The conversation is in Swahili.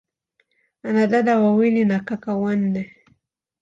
Ana dada wawili na kaka wanne.